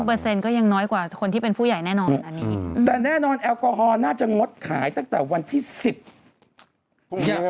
พรุ่งนี้ใช่ไหม